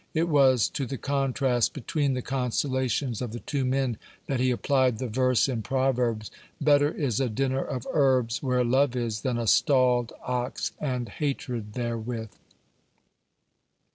It was to the contrast between the consolations of the two men that he applied the verse in Proverbs: "Better is a dinner of herbs where love is, than a stalled ox and hatred therewith."